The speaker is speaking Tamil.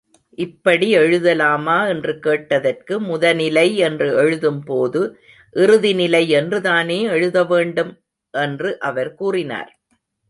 இப்படி எழுதலாமா என்று கேட்டதற்கு முதனிலை என்று எழுதும்போது, இறுதினிலை என்றுதானே எழுத வேண்டும்? என்று அவர் கூறினார்.